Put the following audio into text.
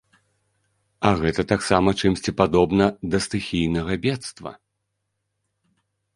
А гэта таксама чымсьці падобна да стыхійнага бедства.